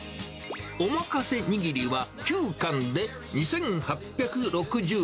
おまかせにぎりは９貫で２８６０円。